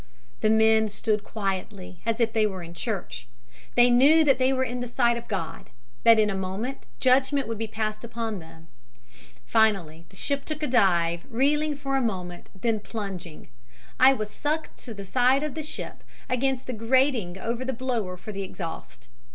"The men stood quietly as if they were in church. They knew that they were in the sight of God; that in a moment judgment would be passed upon them. Finally, the ship took a dive, reeling for a moment, then plunging. I was sucked to the side of the ship against the grating over the blower for the exhaust.